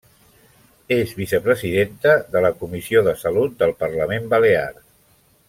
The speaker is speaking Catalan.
És vicepresidenta de la Comissió de Salut del Parlament Balear.